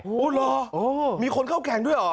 อ๋อเหรอมีคนเข้าแข่งด้วยอ๋อ